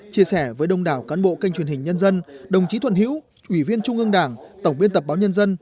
chia sẻ với đông đảo cán bộ kênh truyền hình nhân dân đồng chí thuận hiễu ủy viên trung ương đảng tổng biên tập báo nhân dân